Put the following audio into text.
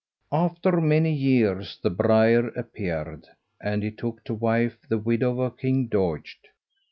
After many years the briar appeared, and he took to wife the widow of King Doged.